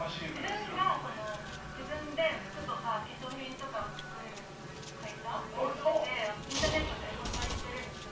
自分が自分で服とか化粧品とかを作る会社をやっててインターネットで販売してるんですよ。